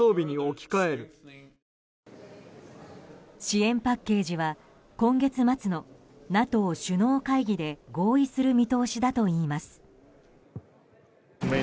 支援パッケージは今月末のＮＡＴＯ首脳会議で合意する見通しだといいます。